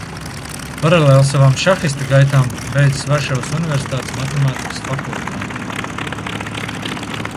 Paralēli savām šahista gaitām beidzis Varšavas universitātes matemātikas fakultāti.